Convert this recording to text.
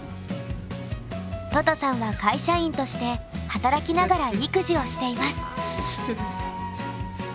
ととさんは会社員として働きながら育児をしています。